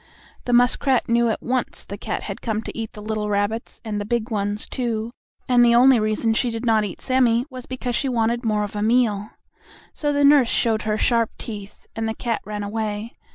The muskrat knew at once that the cat had come to eat the little rabbits and the big ones, too, and the only reason she did not eat Sammie was because she wanted more of a meal. So the nurse showed her sharp teeth, and the cat ran away.